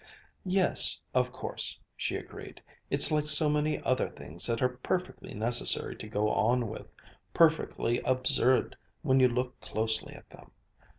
"Yes, of course," she agreed, "it's like so many other things that are perfectly necessary to go on with, perfectly absurd when you look closely at them.